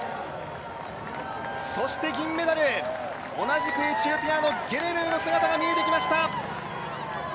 そして、銀メダル同じくエチオピアのゲレメウの姿が見えてきました。